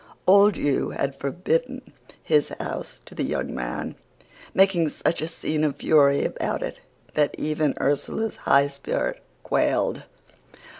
Old Hugh had forbidden his house to the young man, making such a scene of fury about it that even Ursula's high spirit quailed.